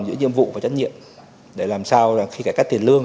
giữa nhiệm vụ và trách nhiệm để làm sao khi cải cách tiền lương